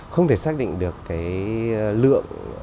không thể xác định được lượng